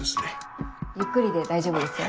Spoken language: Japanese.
ゆっくりで大丈夫ですよ。